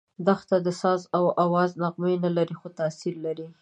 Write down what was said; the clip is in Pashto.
دښته د ساز او آواز نغمه نه لري، خو تاثیر لري.